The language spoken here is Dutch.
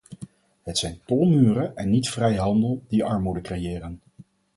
Het zijn tolmuren en niet vrijhandel, die armoede creëren.